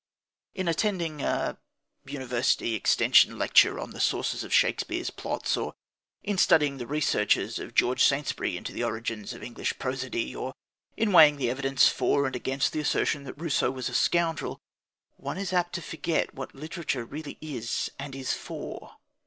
In attending a University Extension Lecture on the sources of Shakespeare's plots, or in studying the researches of George Saintsbury into the origins of English prosody, or in weighing the evidence for and against the assertion that Rousseau was a scoundrel, one is apt to forget what literature really is and is for.